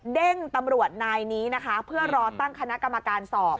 เด้งตำรวจนายนี้นะคะเพื่อรอตั้งคณะกรรมการสอบ